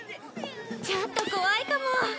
ちょっと怖いかも。